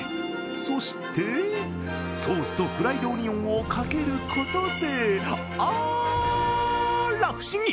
そしてソースとフライドオニオンをかけることであら不思議！